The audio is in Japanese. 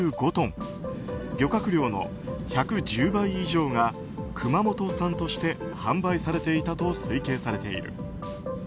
漁獲量の１１０倍以上が熊本産として販売されていたと推計されている。